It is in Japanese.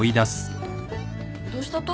どうしたと？